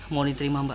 mohon diterima mbak